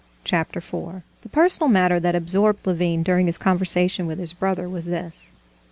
Chapter 4 The personal matter that absorbed Levin during his conversation with his brother was this.